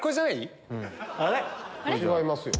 違いますよ。